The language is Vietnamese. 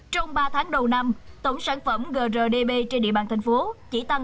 trong ba tháng đầu năm tổng sản phẩm grdb trên địa bàn thành phố chỉ tăng bốn mươi hai